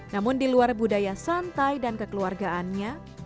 namun di luar budaya santai dan kekeluargaannya